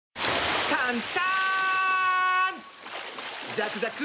ザクザク！